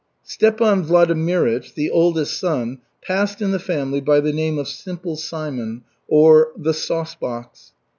Stepan Vladimirych, the oldest son, passed in the family by the name of Simple Simon, or The Saucebox.